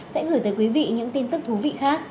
sẽ gửi tới quý vị những tin tức thú vị khác